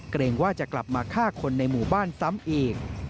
เกรงว่าจะกลับมาฆ่าคนในหมู่บ้านซ้ำอีก